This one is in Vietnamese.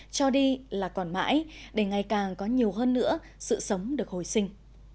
cho đi là còn mãi để ngày càng có nhiều hơn nữa sự sống được hồi sinh